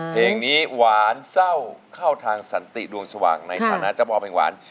เพลงนี้หวานเศร้าเข้าทางสันติดวงสว่างในฐานะเจ้าพ่อเพลงหวาน